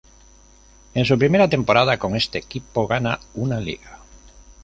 En su primera temporada con este equipo gana una Liga.